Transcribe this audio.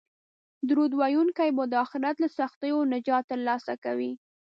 درود ویونکی به د اخرت له سختیو نجات ترلاسه کوي